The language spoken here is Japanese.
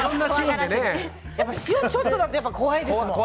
塩ちょっとだと怖いですもん。